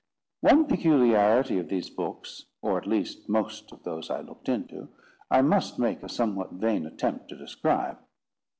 One peculiarity of these books, or at least most of those I looked into, I must make a somewhat vain attempt to describe.